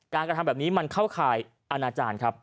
กระทำแบบนี้มันเข้าข่ายอาณาจารย์ครับ